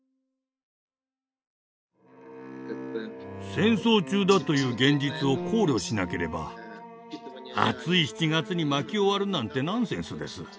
戦争中だという現実を考慮しなければ暑い７月に薪を割るなんてナンセンスです。